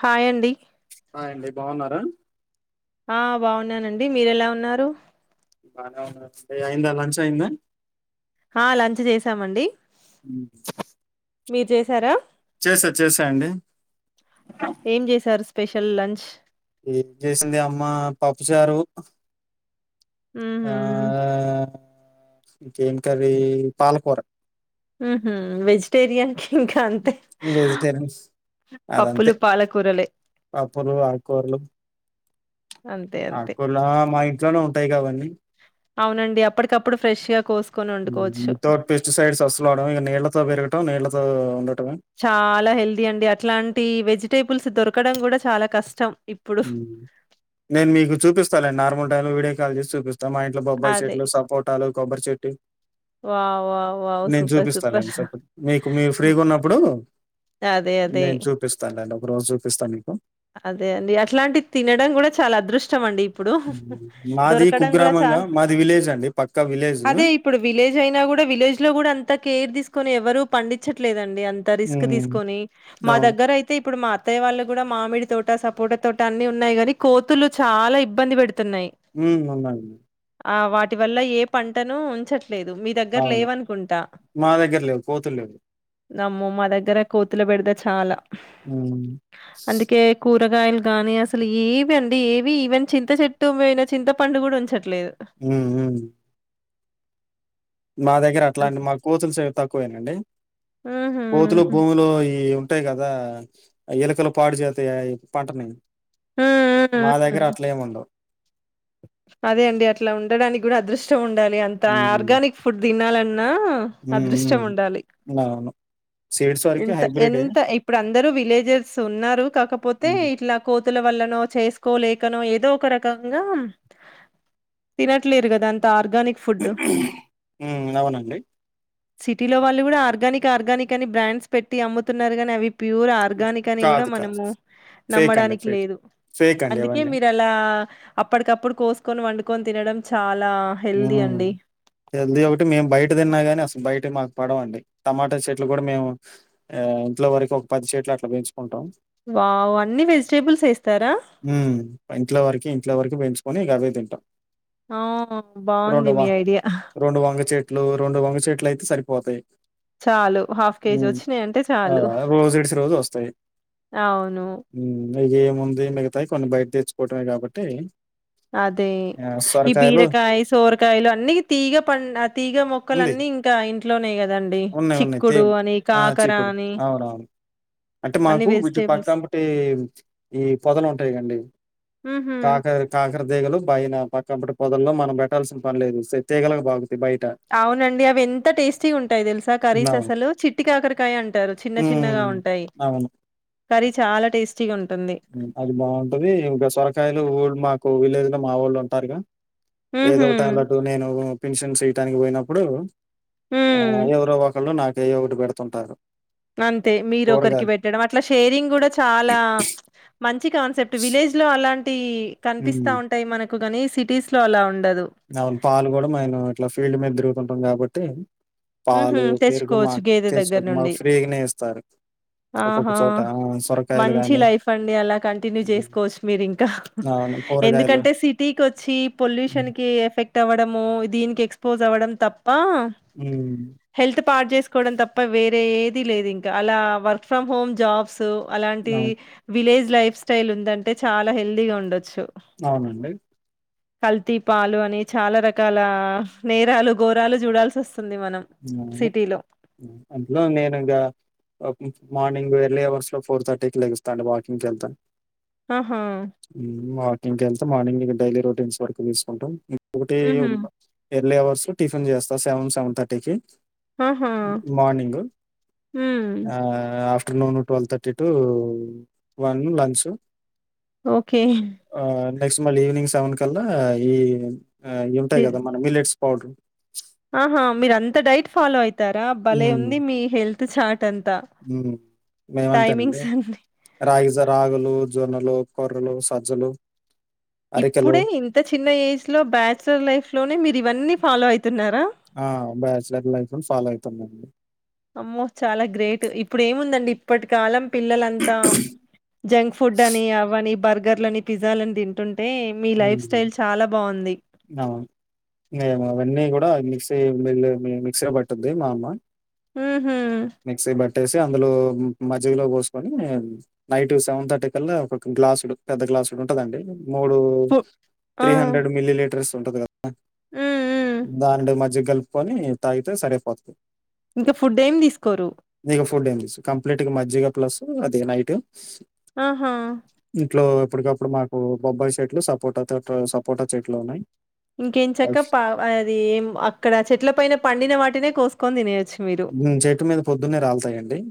Hi అండి అ అండి బాగున్నారా ఆ బాగున్నానండి మీర ఎలా ఉన్నారు బాగావు సే అయిందా లంచ్ అయిందా ఆ లంచ్ చేసామండి అ మీరు చేసారా చేసా చేసా అండి ఏం చేశారు స్పెషల్ లంచ్ ఏం చేసింది అమ్మ పప్పుచారు ఆ ఊహూ కంకీ పాలకొర వెజిటేరియన్ వెజిటేరియన్ అదంతే పప్పులు పాలకూరలే పప్పులు ఆకూరలు అంతే అంతే ఆకుకూరల మా ఇంట్లోనే ఉంటుంది ట్టాయి కావంీ అవునండి అప్పటికప్పుడు ఫ్రెష్ గా కోస్త వితౌట్ పెస్టిసైడ్స్ అసలు ఆడ ఇ నల పోయరుగటం నేల అంట చాలా హెల్దీ అండి అట్లాంటి వెజి ేబుల్స్ దొరకడం కూడా చాలా కష్టం ఇప్పుడు నేను మీకు చూపిస్తాండి నార్మల్ టైంలో వడి క చే మా ఇంట్లో బొబ్బాయి అదే చెట్లు సపోటాలు కొబ్బరి చెట్లు వావ్! వావ్! వావ్! నేను సూపర్ సూపర్ చూపిస్తానుండి స మీకు మీ హ్మ్. ఫ్రీగా ఉన్నప్పుడు అదే అదే నేను చూపిస్తానుండి రోజు చూపిస్తాను మీకు అదే అండి అట్లాంటివి తినడం కూడా చాలా అదృష్టం అండి ఇప్పుడు ఉమ్, మాది దొరకడం కూడా చ కుగ్రామంగా మాది విలేజ్ అండి పక్కా విలేజ్ అదే ఇప్పుడు విలేజ్ అయినా కూడా విలేజ్ లో కూడా అంత కేర్ తీసుకని ఎవరు పండించట్లేదండి అ రిస్ ఉమ్, తీసుకొని మా అవును దగ్గర అయితే ఇప్పుడు మా అత్తయ్య వాళ్ళు కూడా మామిడి తోట సపోట తోట అన్ని ఉన్నాయి గాని కోతులు చాలా ఇబ్బంది పెడుతు హుమ్ వందండి ఆ వాటి వల్ల ఏ పంటను ఉంచట్ అవును మా దగ్గర లేవు కోతులు మా మా దగ్గర కోతుల బెడత చాలా హుమ్ అందుకే కూ కూరగాయలు గానీ అసలు ఏవి అండి ఏవి ఈవెన్ చింత చెట్టు పోయినా చింత పండు కూడా ఉంచ ఊహు మా దగ్గర అట్లాంటి మా కోతుల సైడ్ తక్ ఎక్కువేనండి ఊహూ ఊ కోతులు భూమిలో ఈ ఉంటాయి గదా ఎలుకలు పాడు చేతయని పంటని ఊ ఊ మా దగ్గర అట్లేమ్ ఉండవ్ అదే అండి అట్ల ఉండడానికి కూడా అదృష్టం ఉండ లి అంత ఉమ్, ఆర్గానిక్ ఫుడ్ తినాలన్ నా ఉమ్, అదృష్టం ఉమ్. ఉండాలి అవును సీడ్స్ వరకు ఇంత హైబ్రిడ్ ఎంత ఇప్పుడు అందరు విలేజర్స్ ఉన్నారు కాకపోతే ఇట్లా కో కోతుల వల్లనో చేసుకోలేకనో ఏదో ఒక రకంగా తినట్లేరు కదంతా ఆర్ హమ్ అవునండి సిటీలో వాళ్ళు గుడా ఆర్గానిక్ ఆర్గానిక్ అని బ్రాండ్స్ పెట్టి అమ్ముతున్నారుగాని అవి ప్యూర్ ఆర్గానిక్ అని కూడా కాదు కాదు మనము ఫేక్ అండి నమ్మడానికి ఫేక్ లేదు ఫేక్ అండి అందుకే అవన్నీ మీరు అలా అప్పడికప్పుడు కోసుకొని వండుకొని తినడం చా హుమ్ హెల్ది కాబట్టీ మేము బయట తిన్నా గాని అసలు బయట మాకు పడవండి టమాటా చెట్లు కూడా మేము ఆ ఇంట్లో వరకు ఒక పది చెట్లు అట్ల పెంచుకు వావ్ అన్ని వెజిటేబుల్స్ ఏస్తారా? ఇ వర ఇంర పో గ అవే తింటాం అ రెండు వ రెండు వంగ చెట్లు రెండు వంగ చెట్లు అయితే సరిపోతాయి చాలు హాఫ్ కేజీ హ్మ్. వచ్చాయి అంటే ఆ! చాలు రోజు ఇడిసి రోజు అవును మ ఏముందు మిగతాయి కొన్ని బయట తెచ్చుకోవటమే కాబట్టి అదే ఈ బీరకాయ్స్ సోరకాయలు అన్న తీగ ప తీగ మొక్కలు ఉంది. అన్నీ ఇంకా ఇంట్లోనే కదండి ఉన్నాయి, ఉన్నాయి. తే చిక్కుడు అని ఆ! కాకర చిక్కుడు అని అవునవును. అంటే అన్ని మాకు వీటి వెజిటేబుల్స్ పక్కంబటే ఈ పొదలుంటాయి దేగలు బైన పక్కటి పొదల్లో మనం పెట్టాల్సిన పనిలేదు సేతీగాల బాగుంది అవునండి అవి ఎంత టేస్టీ ఉంటాయి తెలుసా నా కర్రీస్ అసలు చిట్టి కాకరకాయ అంటారు చిన్న చిన్నగా ఉమ్, ఉంటాయి కర్రీ చాలా టేస్ చిగున్ ఉ అది బాగుంటది ఇంకా సొరకాయలు ఊ మాకు లేదు మా ఊళ్ళు ఉంటారుగా ఉహు ఏదో టై టు నేను పిన్షన్ చేయటానికి పోయిన ఇప్పుడు ఆ ఉమ్ ఎవరువ్వకల్ నా ఏయో ఒకటి పెడుతుంటారు అంతే మీరు ఒకరికి కూరగాయలు పెట్టడం అట్లా షేరింగ్ కూడా చాలా మంచి కాన్సెప్ట్ విలేజ్ లో అలా టి కనిపిస్తా ఉమ్, ఉంటాయి మనకు ఎక్గాని సిటీస్ లో అలా ఉం అవు పాలు కూడా మే ఇట్లా ఫీల్డ్ మీద తిరుగుతుంటాం కాబట్టి తె ఊహు తెచ్చుకోవచ్చు గేదె దగ్గర చేసుకోవచ్చు మాకు నుండి ఫ్రీగానే ఇస్తారు ఒక్కొక్క ఆహా చోట ఆ, సొరకాయలు మంచి కానీ లైఫ్ అండి అలా కంటిన్యూ చేసుకోవచ్చు మీరు ఇంకా అవును కూరగాయలు ఎందుకంటే సిటీకి వచ్చి పొల్యూషన్ కి ఎఫెక్ట్ ట్ అవ్వడము దీనికి ఎక్స్పోజ్ అవ్వడం తప్ప ఉ పాట్ చేసుకోవడం తప్ప వేరే ఏది లేదు ఇంకా అలా work from home jobs so అలాంటి అవును విలేజ్ లైఫ్ స్టైల్ ఉందంటే చాలా హెల్దీగా ఉండొచ్చు అవునండి కల్తీ పాలు అని చాలా రకాల నేరాలు ఘోరాలు చూడాల్సి వస్ అందులో నేను ఇంగ మార్నింగ్ ఎర్లీ అవర్స్ లో ఫోర్ థర్టీకి లెగిస్తా అడి వాకింగ్ వెళ్తాను ఆహా ఇంకెళ్తే మార్నింగ్ డైలీ రొటీన్స్ వరకు తీసుకుంటాం ఒకటే హుహు. అబ ఎర్లీ అవర్స్ టిఫన్ చేస్తారు సెన్ సెన్ థ టికీ ఆహా! మార్నింగు హ్మ్. ఆ afternoon twelve thirty to one lunch okay next మళ్ళీ ఈవినింగ్ సెవెన్ కల్లా ఈ అయి ఉంటాయి ది కదా. మన మిల్లెట్స్ అవుటూ ఆహా! మీరంత డైట్ ఫాలోయిత్ తరా బలే హ్మ్. ఉంది. మీ హెల్త్ చాట్ హ్మ్ మేమంతేనండి అన్నీ. రాగిజావ్ రాగులు, జొన్నలు, కొర్రలు, సజ్జలు. అరికెలు ఇప్పుడే ఇంత చిన్న ఏజ్ లో బ్యాచలర్ లైఫ్ లోనే మీర్ ఇవన్నీ ఫాలో అయిత్ ఆ బ్యాచలర్ లైఫూ ఫాలో అయి పొతనండి అమ్మో చాలా గ్రేట్ ఇప్పుడు ఏముందండి. ఇప్పటి కాలం పిల్లలంతా. జంక్ ఫుడ్ అని అవని బర్గ్ బర్గర్లని, పిజ్జాలని తింటుం హ్మ్ అవున్ అవన్నీ కూడా మిక్స్ తి మీల్ మిక్సర్ పట్టుది. మా అమ్మ హ్మ్ హు కట్టేసి అందులో మజ్జిగాలో పోసుకొని. నైట్ సెవెన్ థర్టీ కల్లా ఒక గ్లాసుడు పెద్ద గ్లాసుడు ఉంటదండి. మూడు ఫు ఆ! త్రీ హండ్రెడ్ మిల్లీలీటర్స్ ఉంటదిగా హ్మ్. హ్మ్. దానేడు మజ్జిగల్ కొని తాగితే సరేపోత్ది. ఇంకా ఫుడ్ ఏం తీసుకోరు ఫుడండి స్ కంప్లీట్గా మజ్జగ ప్లస్ అది నైట్ ఆహా అప్పటికప్పుడు మాకు బొబ్బాయ్ సేట్లు, సప్ పోటాతోట్లో సపోటా చెట్లు ఉన్నాయ్. ఇంకేంచక్క పా అది ఏం అక్కడ చెట్లపైన పండిన వాటినే కోసుకని తినేయాచ్ మీరు హ్మ్. చెట్టు మీద పొద్దున్నే రాలతాయండి.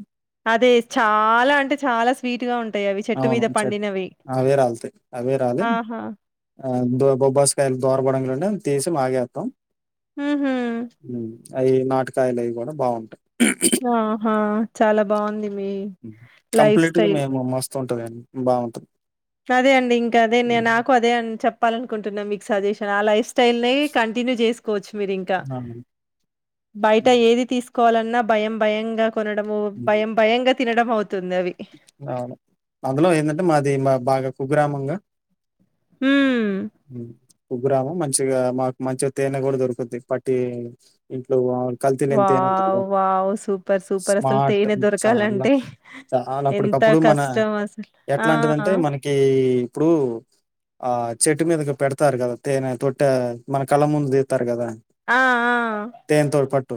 అదే చాలా అంటే చాలా స్వీట్ గా ఉంట్ అవును చెప్ అవే రాల్తాయ్ అవే రాలి ఆహా! బొబ్బాస్కాయలు దోరబడ క తీసి మాగేస్తాం ఉహు అవి నాటికాయలు అవి కూడా బాగుంటాయి ఆహా చాలా బావుంది మీ లైఫ్ కంప్లీట్ గా స్టైల్. మేము మస్తూ ఉంటదండి బావుంటది అదే అండి ఇంకా అదేే హ్మ్. నాకు అదే అ చెప్పాలనుకుంటున్నాను మీకు సజెషన్ అలాస్ స్టైల్ ని కంటిన్యూ చేసుకోవచ్చు మీరు ఇంకా అవును. బయట హ్మ్. ఏది తీసు కోవాలన్నా భయం భయంగా కొనడము హ్మ్. భయం భయంగా తినడం అవుతు అవును అందులో ఏంటంటే మాది మా బాగా కుగ్రామంగా హ్మ్మ్ ఉ గ్రామ మంచిగా మాకు మంచిగా తేనె కూడా దొరుకుంది పట్టి ఇంట్లో కల్తీ లేని వావ్ తేనుంటదిగా వావ్ సూపర్ సూపర్ అసలు స్మార్ట్ తేనె చాలా దొరకాలంటే చాలా ఎంత అప్పుటికప్పుడు మన కష్టం అసలు. ఆ! ఎట్లాంటిదింటే మనకి ఇప్పుడు ఆ చెట్టు మీదగా పెడతారు కదా తేనె తొట్ట మన కళ్ళ ముందు దితారు కదా ఆ! ఆ! తేనె తోలు పట్టు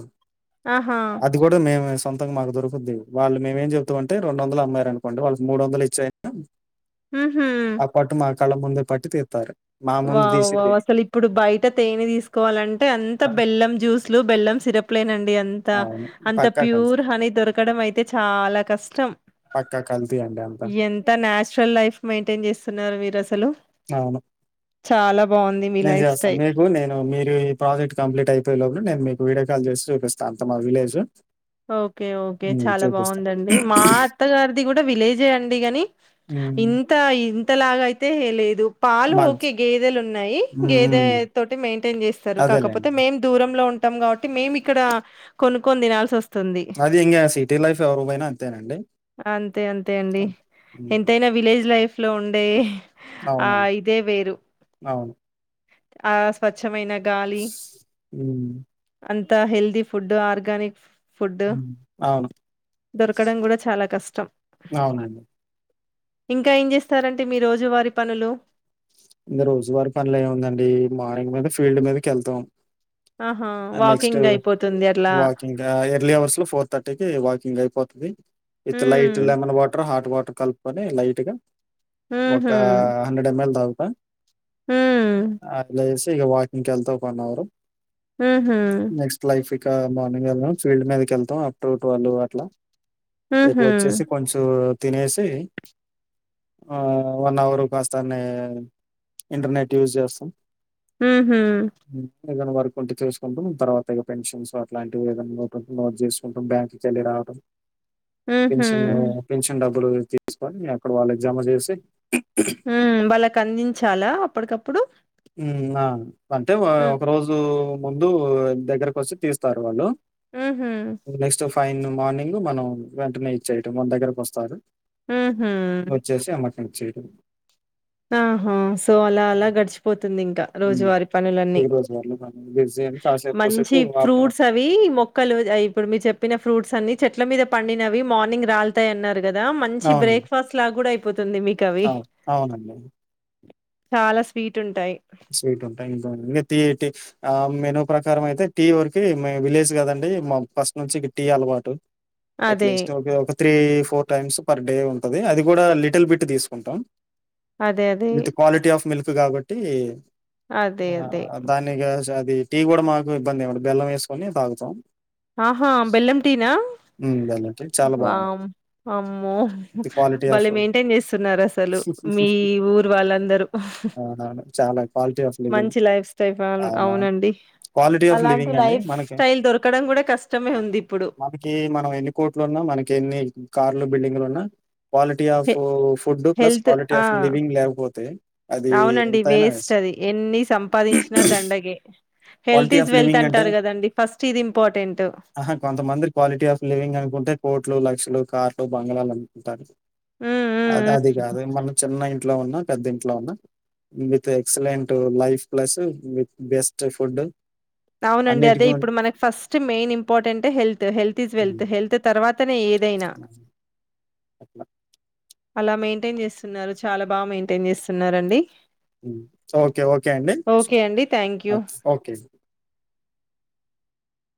ఆహా! అది కూడా మేము సొంతంగా మాకుొకుద్ది వాళ్ళ మేం అే రెండు వందలు అమ్మార అనుకోడి వాళ్ళకి మూ వందలు ఇచ్చయినా ఉహు కళ్ళ ముందే పట్టి తితారు వావ్ వావు్ అసలు ఇప్పుడు బయట తేనె తీసుకోవాలంటే అంత ఆ, బెల్లం జ్యూస్లు బెల్లం సిరప్ లేనండి అ అవును అంత పక్కా కల్తీ ప్యూర్ హానీ దొరకడం అయితే చాలా కష్టం పక్కా కల్తీ అండి అంతా ఎంత నాచురల్ లైఫ్ మెయింటైన్ చేస్తున్నారు మీరు అసలు అవును చాలా బావుంది మీ నేను లైఫ్ చేస్తాను స్టైల్. మీకు నేను మీరు ఈ ప్రాజెక్ట్ కంప్లీట్ అయిపోయేలోపాల నేను మీకు వీడియో కాల్ చేసి చూపిస్తా అంత మా విలేజ్ ఓకే ఓకే చాలా చూపిస్తాను బావుందండి మా అత్తగారిది కూడా విలేజే అండి కాని ఇంత ఇంతలాగయితే లేదు పాలు మా ఓకే గేదెలు ఉన్నాయి, గేదె ఉమ్, తోటి మెయింటైన్ చేస్తరు, కాకపోతే అదేలేండి మేం దూరంలో ఉం టం కాబట్టి మేము ఇక్కడ, కొను కొని దినాల్సి వస్ తుంది, అది ఇంకా సిటీ లైఫ్ ఎవరు పోయినా అంతేనండి అంతే అంతే అండి. హ్మ్. ఎంతైనా విలేజ్ లైఫ్ లో ఉండే ఆ అవునవును. ఇదే వేరు. అవును. ఆ స్వచ్ మైన గాలి, హ్మ్. అంత త హెల్ది ఫుడ్డు ఆర్గనిక్ ఫుడ్డు, హ్మ్. అవును. దొరకడం కూడా చాలా కష్టం. అవునండి. ఇంకా ఏం చేస్తారండి, మీ రోజు వారి పనులు. రోజువారి పనులు ఏముందండి, మార్నింగ్ మీద ఫీల్డ్ మీదకెళ్తాం. ఆహా ఆ నెక్స్ట్ వాకింగ్ అయిపోతుంది అట్లా వాకింగ్ ఎర్లీ అవర్స్ లో ఫోర్ థర్టీకి వాకింగ్ అయిపోతుంది. With light um lemon water, hot water కలుపుకొని లైట్ గా ఒక ఉహు హండ్రెడ్ ఎం ఎల్ తాగు ఉమ్ అలైస్ ఇగ వాకింగ్ ఎళ్తాం వన్ అవరు. హ్మ్ హు ఇంకా మార్నింగ్ వెళ్ళాం, ఫీల్డ్ మీదకెళ్తాం అప్ టు ట్వల్వ్ వరకు అట్లా. ఇప్పుడు హుహు. వచ్చేసి కొంచూ తినేసి, ఆ వన్ అవర్ కాస్త అన్ని ఇంటర్నెట్ యూజ్ చేస్తాం. హు హ్మ్ హ్మ్. ఏదైనా వర్క్ ఉంటే చసుకుంటాం, తర్వాత పెన్షన్స్ అట్లాంటివి ఏదన్నా నో నోట్ చేసుకుంటాం, బ్యాంక్కి వెళ్లి రావడం. హుహు. పెన్షను పెన్షన్ డబ్ ఇప్పుడు తీసుకొని, అక్కడ వాళ్ళకి జమా చేసి హ్మ్ బలె అందించాలా అప్పటికప్పుడు? ఉమ్ ఆ అంటే వ హ్మ్. ఒక రోజు ముందు దగ్గరకొచ్చి తీస్తారు వాళ్ళు. ఉమ్ హు నెక్స్ట్ ఫైన్ మార్నింగ్ మనం వెంటనే ఇచ్చేయటం మన దగ్గరకు వస్తారు. హు హ్మ్ వచ్చేడం ఆహా సో అలా అలా గడిచిపోతు ది ఇంకా హ్మ్. రోజువారి పనులన్నీ, దిగురోజు వాళ్ళు మనం బిజీ అని కాసేపు మంచి కూసేపు ఆఫ్టర్‌నూన్ ఫ్రూట్స్ అవి మొక్కలు అయి ఇప్పుడు మీ చెప్పిన ఫ్రూట్స్ సన్ని చెట్ల మీద పండినవి మార్నింగ్ రాల్తాయ్ అన్నారు కదా మంచి బ్రేక్ఫాస్ట్ లా కూడా అ అవునండి చాలా స్వీట్ ఉంటాయి స్వీట్ ఉంటాయ్ ఇంకా వీడియో తీ ఎట్ మెను ప్రచారం అయితే టీ వరకు మే విలేజ్ కదండి మా ఫస్ట్ నుంచి ఇక టీ అలవాటు ఎట్ల అదే. స్ట్వ్ పై తాగుతా three four times per day ఉంటంది. అది కూడా లిటిల్ బిట్ తీసుకుంటాం అదే. అదే. విత్ క్వాలిటీ ఆఫ్ మిల్క్ త్ కాబట్టి అదే. అదే. ఆ దాన్ ఇగ సద్ ఇది టీ కూడా మాకు ఇబ్బంది ఏముండదు బెల్లం ఏసుకొని తాగుతాం ఆహా బెల్లం టీనా హ్మ్. బెల్లం టీ చాలా బావుంటది. వామ్ అమ్మో విత్ క్వాలిటీ ఆఫ్ బలే మెయింటైన్ చేస్తున్నారు అసలు మీ ఊరు వాళ్ళందరూ హ్ హ్ అవునవును. చాలా క్వాలిటీ ఆఫ్ లివింగ్. మంచి లైఫ్ స్టైల్ అవన్ అవునా! అవునండి క్వాలిటీ ఆఫ్ అలాంటి లివింగ్ అండి లైఫ్ మనకి. స్టైల్ దొరకడం కూడా కష్టమే ఉంది ఇప్పుడు మనకి మనం ఎన్ని కోట్లు ఉన్నా మనకి ఎన్ని కార్లు బిల్డింగ్లు ఉన్నా క్వాలిటీ ఆఫ్ హె ఫుడ్ ప్లస్ హెల్త్ క్వాలిటీ ఆ ఆఫ్ లివింగ్ లేకపోతే అది అవునండి ఎంతయినా వేస్ట్ అది ఎన్ని సంపాదించినా దండగే health quality is of wealth living అంటె అంటారు కదండి ఫస్ట్ ఇది ఇంపార్టెంట్ ఆహా కొంతమంది క్వాలిటీ ఆఫ్ లివింగ్ అనుకుంటే కోట్లు లక్షలు కార్ట్ బంగ్లాలు అనుకుంటారు హ్మ్ హ్మ్ అదే హ్మ్ అదిక అదే మన చెన్నై ఇంట్లో ఉన్నా పెద్ద ఇంట్లో ఉన్నా with excellent life plus with best త్ ఫుడ్ అవునండి అన్నిటి అదే గున్ ఇప్పుడు మనకి first main important health health is wealth హ్మ్. హెల్త్ తర్వాత్ అతనే ఏదైనా అట్ల అలా మెయింటైన్ చేస్తున్నారు చాలా బాగా మెయింటైన్ చేస్తున్నారండి. ఉమ్ ఓకే ఓకే అండి ఓకే అండి థ్యాంక్ యూ ఓకే